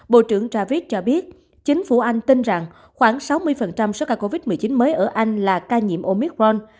bộ trưởng ravich cho biết chính phủ anh tin rằng khoảng sáu mươi số ca covid một mươi chín mới ở anh là ca nhiễm omicron